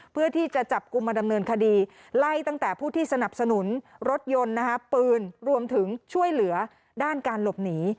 เพื่อที่จะจับกลุ่มมาดำเนินคดีไล่ตั้งแต่ผู้ที่สนับสนุนรถยนต์ปืนรวมถึงช่วยเหลือด้านการหลบหนี